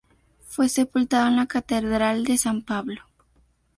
Fue sepultado en la catedral de San Pablo.